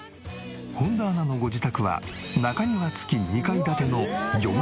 本田アナのご自宅は中庭付き２階建ての４ＬＤＫ。